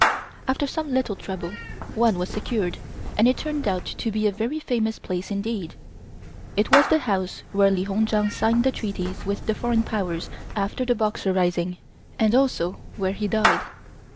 After some little trouble one was secured, and it turned out to be a very famous place indeed. It was the house where Li Hung Chang signed the treaties with the Foreign Powers after the Boxer Rising and also where he died.